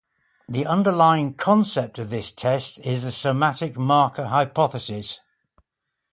The underlying concept of this test is the somatic marker hypothesis.